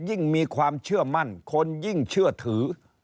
ยิ่งมีความเชื่อมั่นคนยิ่งเชื่อถือ